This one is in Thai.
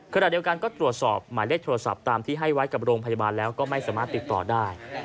ขณะเดียวกันก็ตรวจสอบหมายเลขโทรศัพท์ตามที่ให้ไว้กับโรงพยาบาลแล้วก็ไม่สามารถติดต่อได้